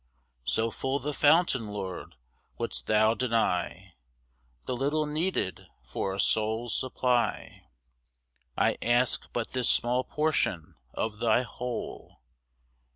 'So full the fountain, Lord, wouldst Thou deny The little needed for a soul's supply? I ask but this small portion of Thy whole.